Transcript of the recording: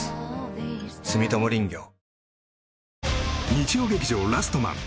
日曜劇場「ラストマン」